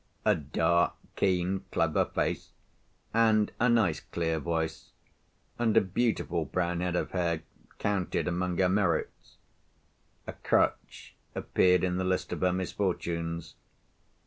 A dark, keen, clever face, and a nice clear voice, and a beautiful brown head of hair counted among her merits. A crutch appeared in the list of her misfortunes.